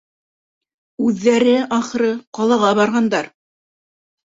Үҙҙәре, ахыры, ҡалаға барғандар.